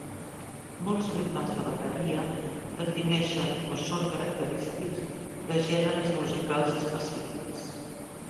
Molts ritmes de bateria defineixen o són característics de gèneres musicals específics.